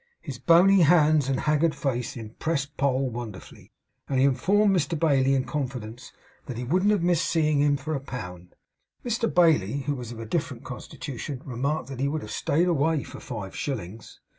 His bony hands and haggard face impressed Poll wonderfully; and he informed Mr Bailey in confidence, that he wouldn't have missed seeing him for a pound. Mr Bailey, who was of a different constitution, remarked that he would have stayed away for five shillings.